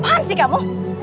apa apaan sih kamu